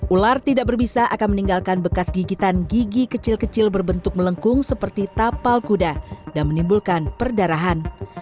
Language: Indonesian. ular tidak berbisa akan meninggalkan bekas gigitan gigi kecil kecil berbentuk melengkung seperti tapal kuda dan menimbulkan perdarahan